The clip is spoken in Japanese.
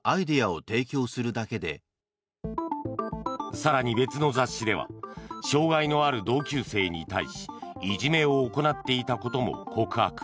更に別の雑誌では障害のある同級生に対しいじめを行っていたことも告白。